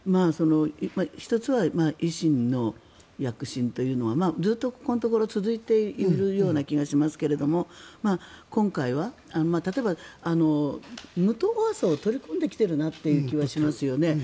１つは維新の躍進というのはずっとここのところ続いている気がしますけれど今回は例えば、無党派層を取り込んできている気はしますよね。